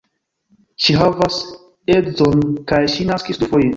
Ŝi havas edzon kaj ŝi naskis dufoje.